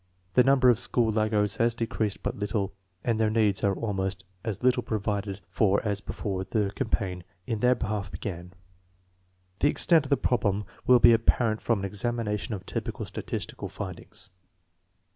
The number of school laggards has decreased but little, and their needs are almost as little provided for as before the campaign in their behalf began. The extent of the problem will be apparent from an examination of typical statistical findings.